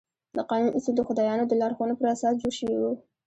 د قانون اصول د خدایانو د لارښوونو پر اساس جوړ شوي وو.